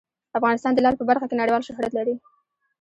افغانستان د لعل په برخه کې نړیوال شهرت لري.